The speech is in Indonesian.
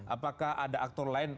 apakah ada aktor lain